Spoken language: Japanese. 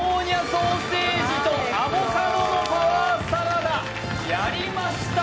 ソーセージとアボカドのパワーサラダやりました